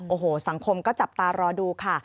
โอ้โหสังคมก็จับตารอดูค่ะ